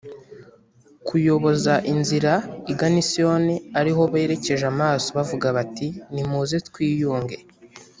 kuyoboza inzira igana i siyoni ari ho berekeje amaso bavuga bati nimuze twiyunge